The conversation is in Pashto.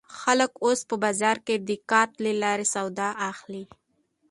خلک اوس په بازار کې د کارت له لارې سودا اخلي.